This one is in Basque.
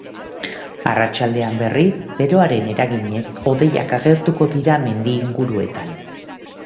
Arratsaldean berriz, beroaren eraginez hodeiak agertuko dira mendi inguruetan.